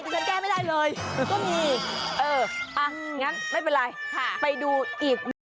แต่ฉันแก้ไม่ได้เลยก็มีเอออ่างั้นไม่เป็นไรค่ะไปดูอีก